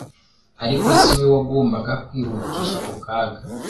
Ariko si we wagombaga kwihutisha ako kaga,